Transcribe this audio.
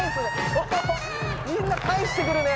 おみんなかえしてくるね。